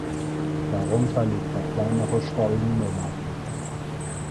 Darunter liegt der kleinere Stollen Nr.